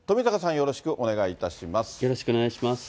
よろしくお願いします。